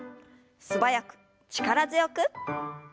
素早く力強く。